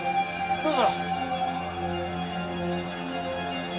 どうぞ。